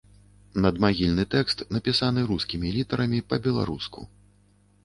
Надмагільны тэкст напісаны рускімі літарамі па-беларуску.